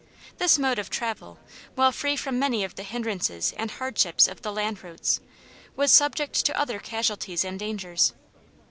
This mode of travel, while free from many of the hindrances and hardships of the land routes, was subject to other casualties and dangers.